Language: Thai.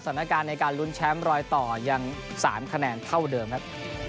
สถานการณ์ในการลุ้นแชมป์รอยต่อยัง๓คะแนนเท่าเดิมครับ